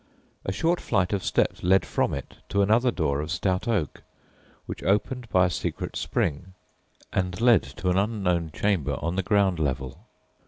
A short flight of steps led from it to another door of stout oak, which opened by a secret spring, and led to an unknown chamber on the ground level.